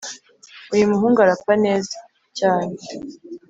uyu muhungu arapa neza cyane